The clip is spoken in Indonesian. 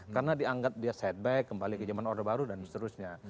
karena dianggap dia setback kembali ke zaman order baru dan seterusnya